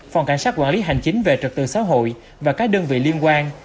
phòng cảnh sát quản lý hành chính về trật tự xã hội và các đơn vị liên quan